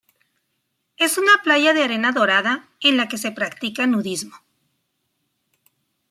Es una playa de arena dorada en la que se practica nudismo.